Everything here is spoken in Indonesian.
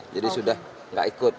jadi sudah tidak ikut